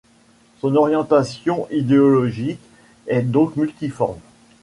Son orientation idéologique est donc multiforme.